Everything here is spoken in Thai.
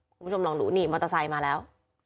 คุณผู้ชมลองดูนี่มอเตอร์ไซค์มาแล้ว